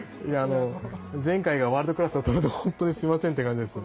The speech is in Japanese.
前回がワールドクラスだったのでホントにすいませんって感じです。